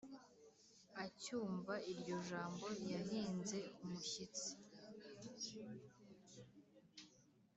acyumva iryo jambo yahinze umushyitsi